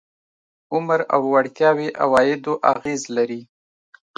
عمر او وړتیاوې عوایدو اغېز لري.